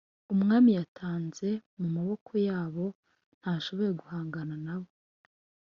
Umwami yantanze mu maboko y’abo ntashoboye guhangana na bo.